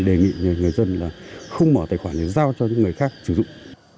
đề nghị người dân là không mở tài khoản để giao cho những người khác sử dụng